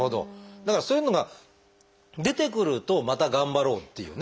だからそういうのが出てくるとまた頑張ろうっていうね。